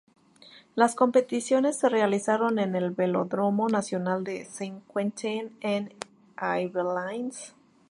Las competiciones se realizaron en el Velódromo Nacional de Saint-Quentin-en-Yvelines.